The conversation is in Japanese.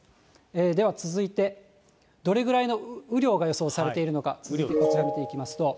では続いて、どれぐらいの雨量が予想されているのか、続いてこちら見ていきますと。